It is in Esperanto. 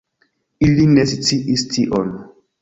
Ili ne sciis tion.